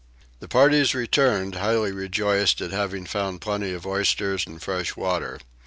The parties returned, highly rejoiced at having found plenty of oysters and fresh water.